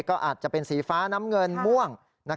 ก็อาจจะเป็นสีฟ้าน้ำเงินม่วง